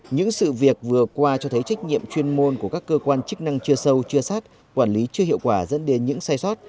những sự việc vừa qua cho thấy trách nhiệm chuyên môn của các cơ quan chức năng chưa sâu chưa sát quản lý chưa hiệu quả dẫn đến những sai sót